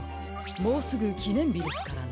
もうすぐきねんびですからね。